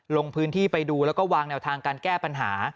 ลงพื้นที่ไปดูแล้วก็วางแนวทางการแก้ปัญหา